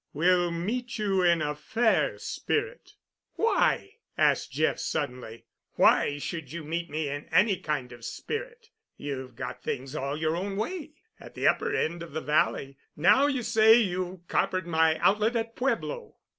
We'll meet you in a fair spirit——" "Why?" asked Jeff suddenly. "Why should you meet me in any kind of spirit. You've got things all your own way—at the upper end of the Valley—now you say you've coppered my outlet at Pueblo."